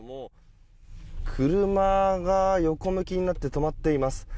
車が横向きになって止まっています。